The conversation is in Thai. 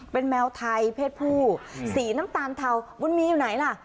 เป็นแมวไทยเพศผู้สีน้ำตาลเทามันมีอยู่ไหนล่ะ